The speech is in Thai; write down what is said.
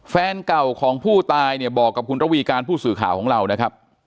แฟนเก่าของผู้ตายเนี่ยบอกกับคุณระวีการผู้สื่อข่าวของเรานะครับ